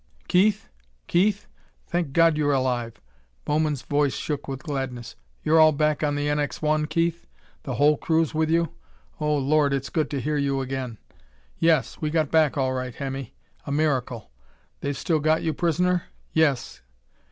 "Keith? Keith? Thank God you're alive!" Bowman's voice shook with gladness. "You're all back on the NX 1, Keith? The whole crew's with you? Oh, Lord, it's good to hear you again!" "Yes. We got back all right, Hemmy a miracle. They've still got you prisoner?" "Yes....